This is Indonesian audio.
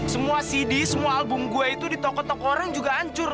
semua cd semua album gue itu di toko toko orang juga hancur